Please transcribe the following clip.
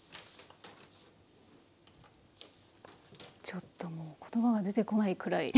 ちょっともう言葉が出てこないくらい。